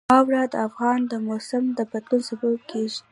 واوره د افغانستان د موسم د بدلون سبب کېږي.